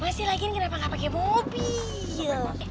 mama sih lagi ini kenapa ga pake mobil